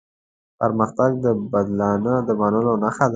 پرمختګ د بدلانه د منلو نښه ده.